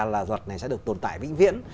là luật này sẽ được tồn tại vĩnh viễn